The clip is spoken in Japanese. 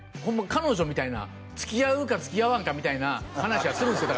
彼女みたいな付き合うか付き合わんかみたいな話はするんすよ